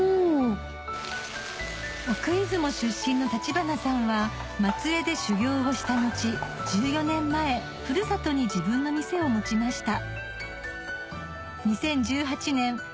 奥出雲出身の立花さんは松江で修業をした後１４年前ふるさとに自分の店を持ちました